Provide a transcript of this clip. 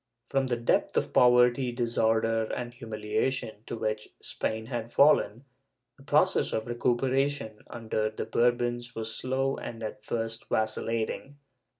^ From the depth of poverty, disorder and humiliation to which Spain had fallen, the process of recuperation under the Bourbons was slow and at first vacillating.